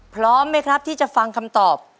พร้อมไหมครับที่จะฟังคำตอบ